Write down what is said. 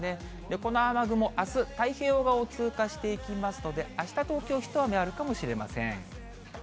この雨雲、あす、太平洋側を通過していますので、あした東京一雨あるかもしれません。